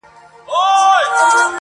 خو خپه كېږې به نه.